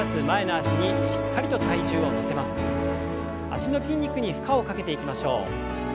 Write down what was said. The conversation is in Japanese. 脚の筋肉に負荷をかけていきましょう。